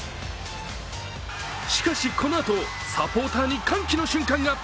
しかし、このあとサポーターに歓喜の瞬間が。